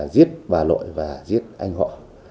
giết bà lội và giết anh họ